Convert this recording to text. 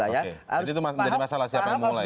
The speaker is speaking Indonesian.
jadi itu masalah siapa yang mulai